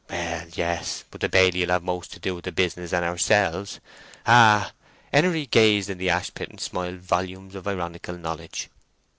"Well, yes; but the baily will have most to do with the business and ourselves. Ah!" Henery gazed into the ashpit, and smiled volumes of ironical knowledge.